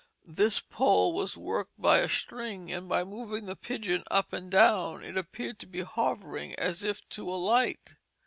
This pole was worked by a string, and by moving the pigeon up and down it appeared to be hovering as if to alight.